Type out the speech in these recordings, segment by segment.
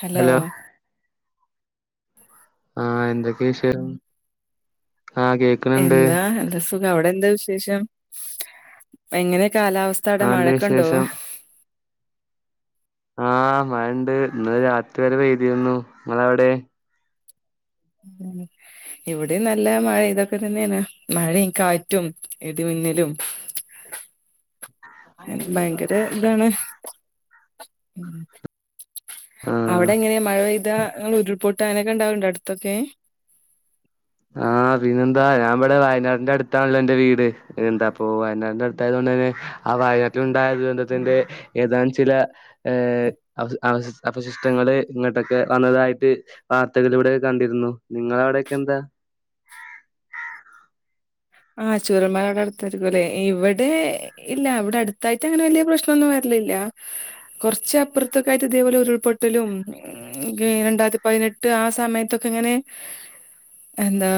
Hello ആഹ് എന്തൊക്കെയ വിഷം ആഹ് കേ എന്താ എന്താ സുഖം അവിടെ എന്താ വിശേഷം എങ്ങനെ കാലാവസ്ഥ സ്ഥ തടടെ നല്ല മഴക്കുണ്ടോ വിശേഷം ആഹ് മഴണ്ട് ഇന്നലെ രാത്രി വരെ പേഴ്ത്തിരുന്നു നിങ്ങള അവിടെ ഉം ഇവിടെ നല്ല മഴക്കെ തന്നെയാണ് മഴ കാറ്റും ഇടിമിന്നലും ഭയങ്കര ഇതാണ് ഉം ആഹ് അവിടെ എങ്ങനെയ മഴ പെയ്താ ഉരുൾപൊട്ട അങ്ങനൊക്കെ ഉണ്ടാവറുണ്ടോ അടുത്തൊക്കെ ആഹ് പിന്നെന്താ ഞാൻ ഇവിടെ വയനാടിന്റെ അടുത്താണല്ലോ ഇന്റെ വീട് എന്താ അപ്പൊ വയനാടിന്റെ അടുത്തായതൊണ്ട് തന്നെ ആ വായനാട്ടില ഉണ്ടായ ദുരന്തത്തിന്റെ ഏതാനും ചില ഏഹ് അവ അവ അവശിഷ്ടങ്ങൾ ഇങ്ങോട്ടൊക്കെ വന്നതായിട്ട് വാർത്തകളിലൂടെ കണ്ടിരുന്നു നിങ്ങള അവിടെക്കെ എന്താ ആഹ് ചൂരൽ മലേടെ അടുത്തായിരിക്കും ല്ലേ ഇവിടെ ഇല്ല ഇവ്ടെ അട്ത്തായിട്ട് അങ്ങനെ വല്യെ പ്രശ്നൊന്നും വര്ലില്ല കൊർച്ച് അപ്പർത്തൊക്കായിട്ട് ഇതേപോലെ ഉരുൾപൊട്ടലും [unintelligible] രണ്ടായ്ര്ത്തി പയ്നെട്ട് ആ സമയത്തൊക്കെങ്ങനെ എന്താ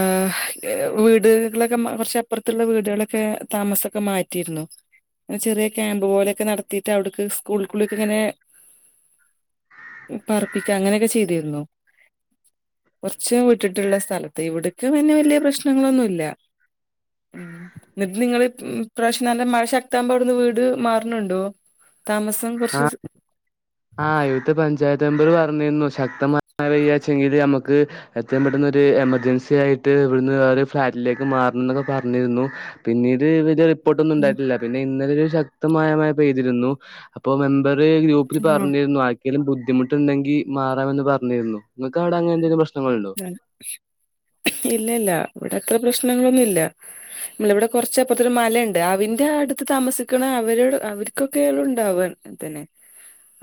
വീട് ക്ള കൊർച്ചപ്പർത്തിള്ള വീടാളൊക്കെ താമസൊക്കെ മാറ്റീര്ന്നു ചെറ്യ ക്യാമ്പ് പോലെക്കെ നടത്തിട്ട് അവ്ടുക്ക് സ്കൂൾക്കുള്ളുക്കിങ്ങനെ പർപ്പിക്ക അങ്ങനെക്കെ ചെയ്തിര്ന്നു കൊൻച്ച് വിട്ടിട്ടിള്ള സ്ഥലത്ത് ഇവ്ടിക്ക് പിന്നെ വല്ല്യ പ്രശ്നങ്ങളൊന്നുല്ല ഇന്നിട്ട് നിങ്ങള് പ്രാശ്യം നല്ല മഴ ശക്താമ്പോ അവ്ടിന്ന് വീട് മാർണിണ്ടോ താമസം ആ കൊർച്ച് ആഹ് ഇവ്ത്തെ പഞ്ചായത്ത് മെമ്പർ പർഞ്ഞിന്നു ശക്ത മയവപെയ്യാച്ചെങ്കില് നമ്മക്ക് ഏത്രേം പെട്ടെന്നൊര് എമർജൻസി ആയിട്ട് ഇവിട്ന്ന് ഒര് ഫ്ളാറ്റിലേക്ക് മാർണന്നൊക്കെ പർഞ്ഞിര്ന്നു പിന്നീട് ഇതില് റി റിപ്പോട്ടൊന്നുണ്ടായ്ട്ടില്ല പിന്നെ ഇന്നലെ ഒരു ശക്തമായ മയ പെയ്തിരുന്നു അപ്പൊ മെമ്പറ് ഗ്രൂ ഉം പർഞ്ഞിര്ന്നു ആർക്കേലും ബുദ്ധിമുട്ടിണ്ടെങ്കി മാറാമെന്ന് പറഞ്ഞിരുന്നു ഇങ്ങക്ക് അവ്ടെ അങ്ങ എന്തെങ്കിലും പ്രശ്നങ്ങള്ണ്ടോ ഇല്ല ഇല്ല ഇവിടെ അത്ര പ്രശ്നങ്ങളൊന്നുല്ല മ്ളവ്ടെ കൊർച്ചപ്പർത്തൊര് മലെണ്ട് അവിന്റെ അടുത്ത് താമസിക്കിണ അവര് അവര്ക്കൊക്കെള്ളു ഉണ്ടാവാ തെന്നെ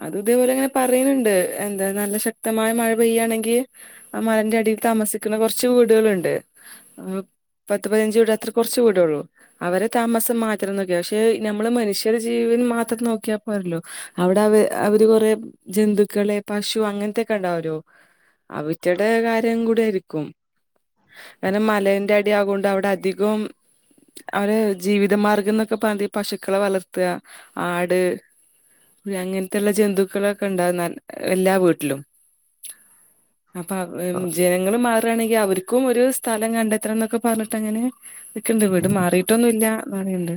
അത് ഇതേപോലെങ്ങനെ പറീണിണ്ട് എന്താ നല്ല ശക്തമായ മഴ പെയ്യാണെങ്കി ആ മലന്റെ അടീൽ താമസിക്കുന്ന കൊർച്ച് വീടാളിണ്ട് പത്ത് പൈനഞ്ച് വീട് അത്ര കൊർച്ച് വീടൊള്ളൂ അവരെ താമസം മാത്രം നോക്ക്യ ഷെ നംള് മനുഷ്യരെ ജീവിൻ മാത്രം നോക്ക്യാ പോര്ലോ അവിടെ അവ് അവര് കൊറേ ജന്തുക്കള് പശു അങ്ങൻത്തെക്കെണ്ടാവ്രൊ അവി റ്റെടെ കാര്യം കൂടി ആരിക്കും കാര്ണം മലെന്റെ അടി ആകൊണ്ട് അവിടെ അധികൊം അവരെ ജീവിതമാർഗന്നൊക്കെ പതി പശുക്കളെ വളർത്ത ആട് അങ്ങൻത്തെള്ള ജന്തുക്കളൊക്കെ ഇണ്ടാവ് നൽ ഏഹ് എല്ലാ വീട്ലും അപാ വ് ജനങ്ങള് മാറാണെങ്കി അവർക്കും ഒരു സ്ഥലം കണ്ടെത്തണന്നൊക്കെ പർഞ്ഞിട്ട് അങ്ങനെ നിക്കിണ്ട് വീട് മാറീട്ടൊന്നുല്ല ന്നറീണ്ട്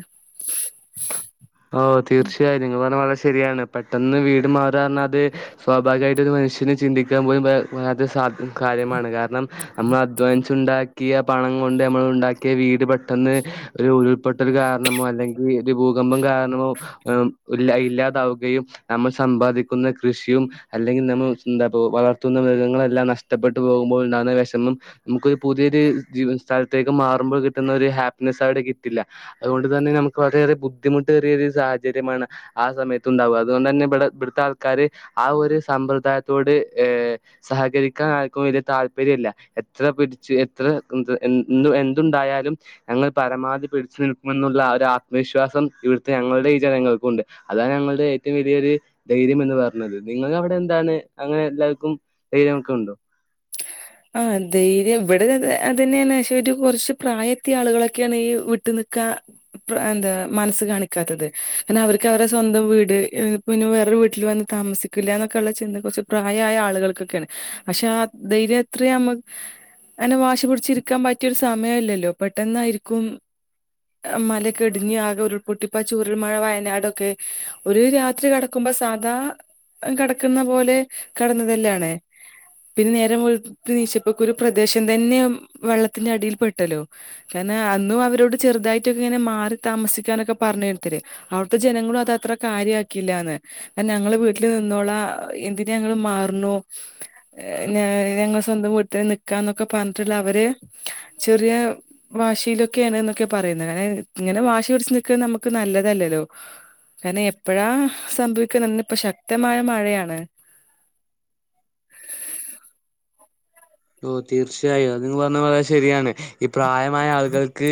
ഓഹ് തീർച്ച്യായും നിങ്ങ പർഞ്ഞ വളരെ ശരിയാണ് പെട്ടെന്ന് വീട് മാറാർഞ്ഞാ അത് സ്വാഭാവികായിട്ട് ഒരു മനുഷ്യന് ചിന്തിക്കാൻ പോലും പ പറ്റാത്തൊരു സാധ് കാര്യമാണ് കാര്ണം നമ്മൾ അധ്വാനിച്ചുണ്ടാക്കിയ പണം കൊണ്ട് നമ്മൾ ഉണ്ടാക്കിയ വീട് പെട്ടെന്ന് ഒരു ഉരുൾപൊട്ടൽ കാര്ണമോ അല്ലെങ്കിൽ ഒരു ഭൂകമ്പം കാര്ണമോ ഏഹ് ഇല്ല ഇല്ലാതാവുകയും നമ്മൾ സമ്പാദിക്കുന്ന കൃഷ്യും അല്ലെങ്കി നമ്മ എന്താപോ വളർത്തുന്ന മൃഗങ്ങളെല്ലാം നഷ്ടപ്പെട്ട് പോകുമ്പോൾ ഉണ്ടാന്ന വെഷമം നമുക്കൊരു പുതിയൊരു ജീവ സ്ഥൽത്തേക്ക് മാറുമ്പോ കിട്ടുന്ന ഒരു ഹാപ്പ്നെസ് അവിടെ കിട്ടില്ല അതുകൊണ്ട് തന്നെ നമുക്ക് വളരേയെറെ ബുദ്ധിമുട്ടേറിയൊരു സാഹചര്യമാണ് ആഹ് സമയത്ത് ഉണ്ടാവ അതുകൊണ്ട്ന്നെ ഇബടെ ഇബിട്ത്താൾക്കാര് ആഹ് ഒരു സമ്പ്രദായ്ത്തോട് ഏഹ് സഹകരിക്കാൻ ആര്ക്കും വെല്ല്യേ താല്പര്യല്ല എത്ര പിടിച്ച് എത്ര ഉം ത് ന്ത് എന്തുണ്ടായാലും ഞങ്ങള് പരമാവധി പിടിച്ചു നിൽക്കുമെന്നുള്ള ആഹ് ഒരാത്മവിശ്വാസം ഇവിട്ത്തെ ഞങ്ങൾടെ ഈ ജനങ്ങൾക്കുണ്ട് അതാണ് ഞങ്ങളുടെ ഏറ്റൊം വെലിയൊരു ധൈര്യം എന്ന് പർഞ്ഞത് നിങ്ങക്ക് അവിടെന്താണ് അങ്ങനെ എല്ലാർക്കും ധൈര്യമൊക്കെ ഉണ്ടോ [inaudible] ആഹ് ധെയ്ര്യം വടെ ത് അതെന്നേണ് പഷെ ഒരു കൊർച്ച് പ്രായെത്തിയെ ആളുകളൊക്ക്യാണ് ഈ വീട്ട് നിക്കാ പ്പ എന്താ മനസ്സ് കാണിക്കാത്തത് എന്നാ അവരക്ക് അവരെ സ്വന്തം വീട് എ പിന്നെ വേറൊരു വീട്ട്ല് വന്ന് താമസിക്കുലന്നൊക്കെള്ള ചിന്ത കൊർച്ച് പ്രായായ ആളുകൾക്കൊക്കെണ് പഷെ ആ ധൈര്യം അത്രിം അമ അങ്നെ വാശി പുട്ച്ചിരിക്കാൻ പറ്റ്യൊരു സമയല്ലല്ലോ പെട്ടെന്നായ്രിക്കും അ മലെക്കെ ഇടിഞ്ഞ് ആകെ ഉരുൾപൊട്ടി ഇപ്പാ ചുരുൽ മല വയനാടൊക്കെ ഒരു രാത്രി കെടക്കുമ്പ സാദാ അഹ് കെടക്കുന്ന പോലെ കെടന്നതല്ലാണ്. പിന്നെ നേരം വെളുത്ത് നീച്ചപ്പക്കു ഒരു പ്രദേശം തന്നെ വെള്ളത്തിന്റെ അടിയിൽ പെട്ടല്ലോ. കാരണം അന്നും അവരോട് ചെറുതായിട്ടൊക്കെ ഇങ്ങനെ മാറി താമസിക്കാനൊക്കെ പറഞ്ഞ് ഒരോര്ത്തര് അവിടുത്തെ ജനങ്ങളും അത് അത്ര കാര്യാക്കിയില്ലാന്ന് ആഹ് നങ്ങള് വീട്ടിൽ നിന്നോളാ എന്തിന് ഞങ്ങള് മാറ്ണു ഏഹ് ഞ ഞങ്ങൾ സ്വന്തം വീട്ടില് നിക്കാന്നൊക്കെ പറഞ്ഞിട്ടുള്ള അവര് ചെറിയ വാശിയിലൊക്കേണ് ന്നൊക്കെ പറയുന്നത് ങ്ങനെ. ഇങ്ങനെ വാശി പിടിച്ച് നിക്ക നമുക്ക് നല്ലതല്ലല്ലോ. കാരണം എപ്പഴാ സംഭവിക്കാന്നാ ഇന്ന് ഇപ്പൊ ശക്തമായ മഴയാണ്. ഓഹ് തീർച്ചയായും അത് നിങ്ങള് പറഞ്ഞ വളരെ ശരിയാണ്. ഈ പ്രായമായ ആൾകൾക്ക്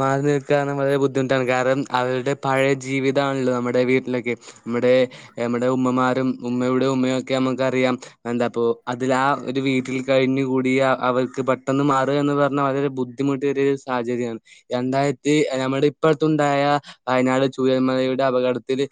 മാറി നിൽക്കാന്ന് വളരെ ബുദ്ധിമുട്ടാണ് കാരണം അവരുടെ പഴയ ജീവിതാണല്ലോ നമ്മുടെ വീട്ടിലൊക്കെ മ്മുടെ നമ്മടെ ഉമ്മമാരും ഉമ്മയുടെ ഉമ്മയും ഒക്കെ നമ്മുക്ക് അറിയാം എന്താപ്പോ അതിലാ ഒരു വീട്ടിൽ കഴിഞ്ഞ് കൂടിയ അവർക്ക് പെട്ടെന്ന് മാറുക എന്ന് പറഞ്ഞാൽ വളരെ ബുദ്ധിമുട്ട് ഏറിയ ഒരു സാഹചര്യാണ്. രണ്ടായിരത്തി നമ്മുടെ ഇപ്പടുത്ത് ഉണ്ടായ വയനാട് ചൂരൽ മലയുടെ അപകടത്തില്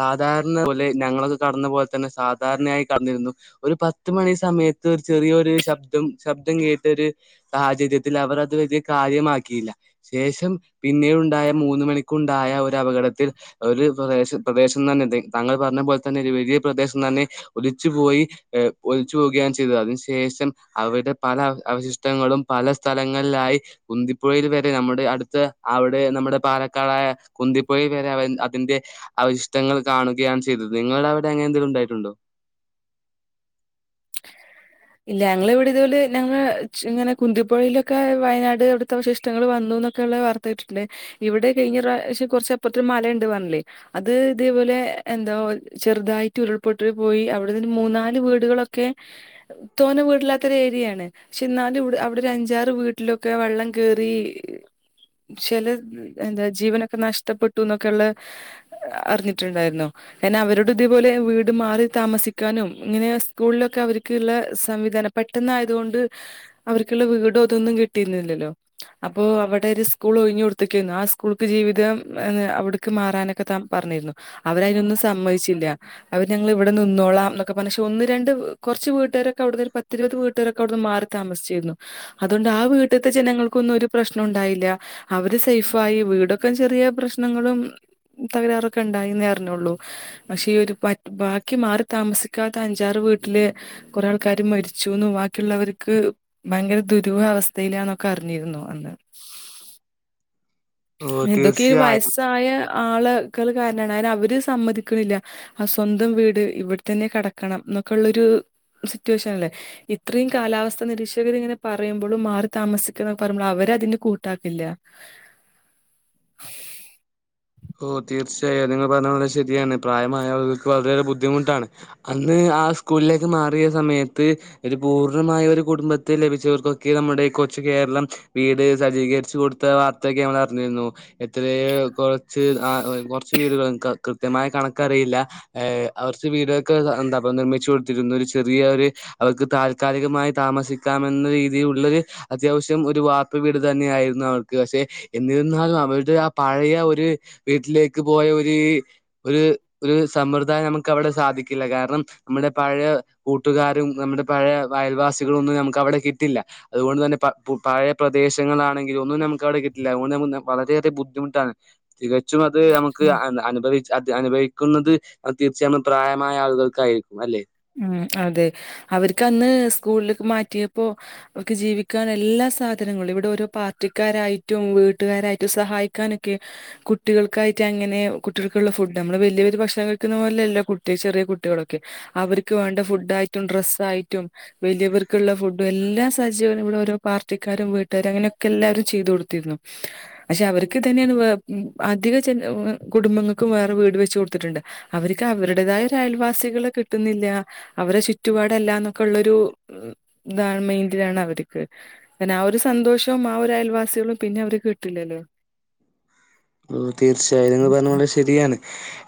സാധാരണ പോലെ ഞങ്ങളൊക്ക കടന്ന പോലെ തന്നെ സാധാരണയായി കടന്നിരുന്നു ഒരു പത്ത് മണി സമയത്ത് ഒരു ചെറിയോര് ശബ്ദം ശബ്ദം കേട്ട് ഒര് സാഹചര്യത്തില് അവർ അത് വലിയ കാര്യമാക്കിയില്ല. ശേഷം പിന്നെ ഉണ്ടായ മൂന്ന്മണിക്കുണ്ടായ ഒരു അപകടത്തിൽ ഒരു പ്രദേശം പ്രദേശം തന്നെ തങ്ക് താങ്കൾ പറഞ്ഞ പോലെ തന്നെ ഒരു വലിയ പ്രദേശം തന്നെ ഒലിച്ചു പോയി ഏഹ് ഒലിച്ചു പോവുകയാണ് ചെയ്തത്. അതിനു ശേഷം അവരുടെ പല അവശിഷ്ടങ്ങളും പല സ്ഥലങ്ങളിലായി കുന്തിപ്പുഴയിൽ വരെ നമ്മുടെ അടുത്ത അവിടെ നമ്മുടെ പാലക്കാടായ കുന്തിപുഴയിൽ വരെ അവ അതിന്റെ അവവിശിഷ്ടങ്ങൾ കാണുകയാണ് ചെയ്തത്. നിങ്ങളുടെ അവിടെ അങ്ങനെ എന്തെങ്കിലും ഉണ്ടായിട്ടുണ്ടോ? ഇല്ല ഞങ്ങള് ഇവിടെ ഇതുപോലെ ഞങ്ങള ച്ച് ഇങ്ങനെ കുന്തിപ്പുഴയിലൊക്കെ വയനാട് അവിട്ത്തെ അവശിഷ്ടങ്ങൾ വന്നുന്ന് ഒക്കെയുള്ള വാർ ത്ത കേട്ടിട്ടിണ്ട്. ഇവിടെ കഴിഞ്ഞ പ്രാവശ്യം കുറച്ചപ്പർത്തൊര് മലയുണ്ട് പറഞ്ഞില്ലേ അത് ഇതേപോലെ എന്തോ ചെറുതായിട്ട് ഉരുൾപൊട്ടൽ പോയി അവിട്ന്നൊര് മൂന്നാല് വീടുകളൊ ക്കെ തോന വീടില്ലാത്തൊരു ഏരിയേണ്. ക്ഷെ ഇന്നാലും ഇവി അവിടെ ഒരു അഞ്ചാറ് വീട്ടിലൊക്കെ വെള്ളം കേറി ചെല എന്താ ജീവനൊക്കെ നഷ്ടപ്പെട്ടു ന്നൊക്കെയുള്ള അറിഞ്ഞിട്ടുണ്ടായിരുന്നോ അയ്നവരോടും ഇതേപോലെ വീട് മാറി താമസിക്കാനും ഇങ്ങനെ സ്കൂളിലൊക്കെ അവര്ക്ക്ള്ളെ സംവിധാനം പെട്ടെന്നായതുകൊണ്ട് അവർക്കുള്ള വീടോ ഇതൊന്നും കിട്ടിയിന്നില്ലല്ലോ അപ്പൊ അവിടെ ഒരു സ്കൂൾ ഒഴിഞ്ഞ് കൊടുത്തക്കേന്നു. ആ സ്കൂൾക്ക് ജീവിതം അഹ് അവിടുക്ക് മാറാനൊക്കെ തം പറഞ്ഞിരുന്നു അവര് അയിനൊന്നും സമ്മതിച്ചില്ല. അവര് ഞങ്ങള് ഇവടെ നിന്നോളാം ന്നൊക്കെ പറഞ്ഞ് ക്ഷെ ഒന്ന് രണ്ട് കൊറച്ച് വീട്ടാരൊ ക്കെ അവിട്ന്നൊര് പത്തിരുപത് വീട്ടുകാരൊക്കെ അവിടുന്ന് മാറി താമസിച്ചീര്ന്നു. അതുകൊണ്ട് ആ വീട്ട് ത്തെ ജനങ്ങൾക്കൊന്നും ഒരു പ്രശ്നും ഉണ്ടായില്ല. അവര് സേഫായി. വീടൊക്കെ ചെറിയ പ്രശ്നങ്ങളും തകരാറൊക്കെ ഉണ്ടായീന്നേ അറിഞ്ഞൊള്ളൂ. പക്ഷെ ഈ ഒരു പറ്റ് ബാക്കി മാറി താമസിക്കാത്ത അഞ്ചാറ് വീട്ടില് കൊറേ ആൾക്കാര് മരിച്ചുംന്നും ബാക്കിള്ളവർക്ക് ഭയങ്കര ദുരൂഹ അവസ്ഥയിലാന്നൊക്കെ അറിഞ്ഞിരുന്നു അന്ന് ഓ ഇതൊക്കെ ഈ തീർച്ചയായും വയസ്സായ ആള് കൾ കാരനാണ് അയ്നവര് സമ്മതിക്കുന്നില്ല. അഹ് സ്വന്തം വീട് ഇവിട്ത്തന്നെ കെടക്കണം എന്നൊക്കെള്ളൊരു സിറ്റുവേഷനല്ലേ. ഇത്രീം കാലാവസ്ഥാ നിരീക്ഷകർ ഇങ്ങനെ പറയുമ്പളും മാറി താമസിക്ക് ന്നൊക്കെ പറയുമ്പള് അവരെ അതിന്റെ കൂ ട്ടാക്കില്ല ഓഹ് തീർച്ചയായും നിങ്ങൾ പറഞ്ഞ വളരെ ശരിയാണ്. പ്രായമായ ആളുകൾക്ക് വളരെയേറെ ബുദ്ധിമുട്ടാണ്. അന്ന് ആ സ്കൂളിലേക്ക് മാറിയ സമയത്ത് ഒരു പൂർണമായ ഒരു കുടുംബത്തെ ലഭിച്ചവർക്കൊക്കെ നമ്മുടെ ഈ കൊച്ചു കേരളം വീട് സജ്ജീകരിച്ച് കൊടുത്ത വാർ ത്തക്കെ നമ്മളറിഞ്ഞിരുന്നു. എത്രയേ കൊറച്ച് ആഹ് കൊർച്ച് വീടുകള് കൃത്യമായ കണക്കറിയില്ല അവർച്ച് വീടൊക്കെ എന്താപ്പ നിർമ്മിച്ചു കൊടുത്തിരുന്നു ഒരു ചെറിയ ഒരു അവർക്ക് താൽക്കാലികമായി താമസിക്കാമെന്ന രീതിയിലുള്ളരു അത്യാവശ്യം ഒരു വാർപ്പ വീട് തന്നെയ ആായിരുന്നു അവർക്ക് പക്ഷെ എന്നിരുന്നാലും അവരുടെ ആ പഴയ ഒരു വീട്ടിലേക്ക് പോയ ഒരു ഒരു ഒരു സമ്പ്രദായം നമുക്ക് അവിടെ സാധിക്കില്ല കാരണം നമ്മുടെ പഴയ കൂട്ടുകാരും നമ്മുടെ പഴയ അയൽവാസികള ഒന്നും നമുക്ക് അവിടെ കിട്ടില്ല അതുകൊണ്ട്ു തന്നെ പ പഴ പ്രദേശങ്ങളാണെങ്കില ഒന്നും നമുക്ക് അവിടെ കിട്ടില്ല അതുകൊണ്ട് വളരെയധറെ ബുദ്ധിമുട്ടാണ് തികച്ചും അത് നമുക്ക് അനഭദ അത് അനുഭവിക്കുന്നത് തീർച്ചയായും പ്രായമായ ആളുകൾക്കായിരിക്കും അല്ലെ ഉം അതെ അവർക്ക് അന്ന് സ്കൂളിലേക്ക് മാറ്റിയപ്പോൊ അവക്കക്ക് ജീവിക്കാൻ എല്ലാ സാധനങ്ങളും ഇവിടെ ഓരോ പാർട്ടിക്കാരായിട്ടും വീട്ടുകാരായിട്ടും സഹായിക്കാനൊക്കെ കുട്ടികൾക്കായിട്ട് അങ്ങനെ കുട്ടികൾക്കുള്ള ഫുഡ് നമ്മള് വലിയ വലിയ ഭക്ഷണം കഴിക്കുന്ന പോലെല്ലോ കുട്ടി ചെറിയ കുട്ടികളൊക്കെ അവർക്ക് വേണ്ട ഫുഡ് ആയിട്ടും ഡ്രസ്സ ആായിട്ടും വലിയവർക്കുള്ള ഫുഡ എല്ലാ സഹചര്യങ്ങളും ഇവിടെ ഓരോ പാർട്ടിക്കാരും വീട്ടുകാരും അങ്ങനെയൊക്കെ എല്ലാവരും ചെയ്തു കൊടുത്തിരുന്നു [inaudible] പക്ഷെ അവർക്ക് തന്നെയാണ് അധിക കുടുംബങ്ങൾക്കും വേറെ വീട് വെച്ച കൊടുത്തിട്ടുണ്ട് അവർക്ക് അവരുടേതായ ഒരു അയൽവാസികള് കിട്ടുന്നില്ല അവരെ ചുറ്റുപാടല്ലന്നൊക്കെ ഉള്ളരു ഇതാണ് മൈൻഡിലാണ് അവർക്ക് പിന്നെ ആഹ് ഒരു സന്തോഷവും ആഹ് ഒരു അയൽവാസികളും പിന്നെ അവര്ക്ക്‌ കിട്ടില്ലല്ലോ ഓഹ് തീർച്ചയായും പറഞ്ഞ പോെ ശരിയാണ്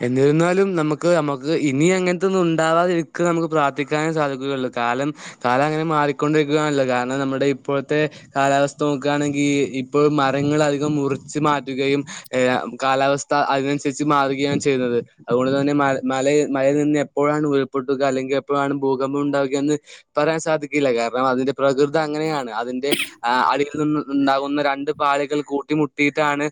എന്നിരുന്നാലും നമുക്ക് നമുക്ക് ഇനി അങ്ങനത്തെൊന്നും ഉണ്ടാവാതിരിക്ക നമുക്ക് പ്രാർത്ഥിക്കാനും സാധിക്കുകയുള്ളു കാലം കാലം അങ്ങനെ മാറിക്കൊണ്ടിരിക്കുകയാണല്ലോ കാരണം നമ്മുടെ ഇപ്പോഴത്തെ കാലാവസ്ഥ നോക്കുകയാണെങ്കിൽ ഇപ്പോൾ മരങ്ങളൾ അധികം മുറിച്ചു മാറ്റുകയും ഏഹ് കാലാവസ്ഥ അതിനനുസരിച്ച് മാറുകയാണ് ചെയ്യുന്നത് അതുകൊണ്ട്ു തന്നെ മ മലയിൽ മലയിൽ നിന്ന് എപ്പോഴാണ് ഉരുൾപ്പെൊട്ടുക അല്ലെങ്കിൽ എപ്പോഴാണ് ഭൂകമ്പം ഉണ്ടാവുക എന്ന് പറയാൻ സാധിക്കില്ല കാരണം അതിന്റെ പ്രകൃതി അങ്ങനെയാണ് അതിന്റെ അടിയിൽ നിന്ന ഉണ്ടാകുന്ന രണ്ട് പാാലുകൾ കൂട്ടിമുട്ടിയിട്ടാണ്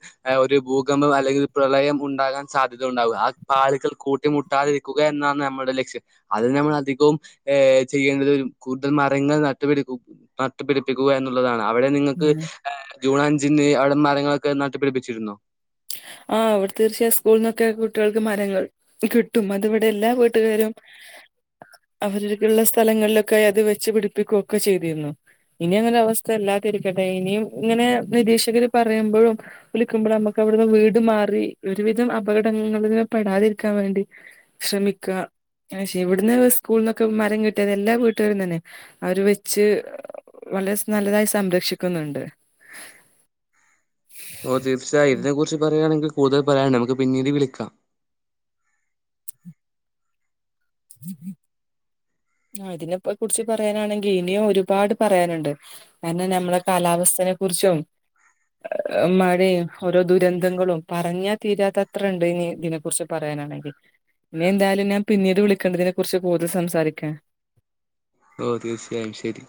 ഒരു ഭൂകമ്പം അല്ലെങ്കിൽ പ്രളയം ഉണ്ടാകാൻ സാധ്യത ഉണ്ടാകുക ആ പാലുകൾ കൂട്ടിമുട്ടാതി [unintelligible] എന്നാണ് നമ്മുടെ ലക്ഷ്യം അത് നമ്മൾ അധികവും ഏഹ് ചെയ്യേണ്ടത് കൂടുതൽ മരങ്ങൾ നട്ടുപടിക്കും നട്ടുപടി ക്കുക എന്നുള്ളതാണ് അവിടെ നിങ്ങൾക്ക് ഉം ജൂൺ അഞ്ചിന് അവിടെ മരങ്ങളൊക്കെ നട്ടുപിടിപ്പിച്ചിരുന്നോ ആഹ് അവിടെ തീർച്ചയായും സ്കൂളിൽന്നൊക്കെ കുട്ടികൾക്ക് മരങ്ങൾ കിട്ടും അതി ഇവിടെ എല്ലാ വീട്ടുകാരും അവരക്കള്ള സ്ഥലങ്ങളിലൊക്കെ അത് വെച്ച് പിടിപ്പിക്കുകയൊക്കെ ചെയ്തിരുന്നു ഇനി അങ്ങനെ അവസ്ഥ അല്ലാത്തിരിക്കട്ടെ ഇനിയും ഇങ്ങനെ നിരീക്ഷകര് പറയുമ്പോഴും വിളിക്കുമ്പോൾ നമ്മുക്ക് അവിടുന്ന് വീട് മാറി ഒരുവിധം അപകടങ്ങളിൽ പെടാതിരിക്കാൻ വേണ്ടി ശ്രമിക്ക പക്ഷെ ഇവിടുന്ന് സ്കൂളന്നൊക്കെ മരം കിട്ടിയത് എല്ലാ വീട്ടുകാരും തന്നെ അവര് വെച്ച് വളരെ നല്ലതായി സംരക്ഷിക്കുന്നുണ്ട് ഓഹ് തീർച്ചയായും ഇതിനെ കുറിച്ച് പറയയാണെങ്കിൽ കൂടുതൽ പറയാണ്ട്‌ നമുക്ക് പിന്നീട് വിളിക്കാം ഉം ആഹ് ഇതിനെ കുറിച്ച് പറയാനാണെങ്കിൽ ഇനിയും ഒരുപാട് പറയാനുണ്ട് കാരണം ഞമ്മളെ കാലാവസ്ഥനെ കുറിച്ചും മഴയും ഓരോ ദുരന്തങ്ങളും പറഞ്ഞാ തീരാത്തത്ര ഉണ്ട് ഇനി ഇതിന് കുറിച്ച് പറയാനാണെങ്കിൽ ഇനി എന്തായാലും ഞാൻ പിന്നീട് വിളിക്കാം ഇതിനെ കുറിച്ച് കൂടുതൽ സംസാരിക്കാൻ ഓഹ് തീർച്ചയായും ശരി